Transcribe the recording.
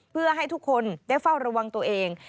เพื่อให้ทุกคนได้เฝ้าระวังตัวเอง